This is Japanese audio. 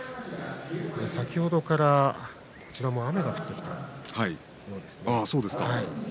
先ほどから、こちらも雨が降ってきました。